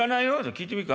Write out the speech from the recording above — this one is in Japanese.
聞いてみっか？